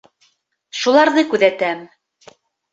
Шуларҙы күҙәтәм.